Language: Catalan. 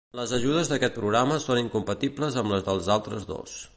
Les ajudes d’aquest programa són incompatibles amb les dels altres dos.